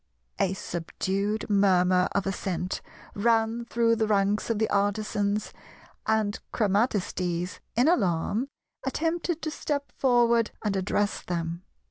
A subdued murmur of assent ran through the ranks of the Artisans, and Chromatistes, in alarm, attempted to step forward and address them.